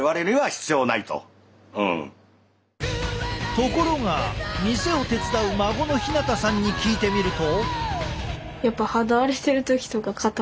ところが店を手伝う孫の陽葵さんに聞いてみると。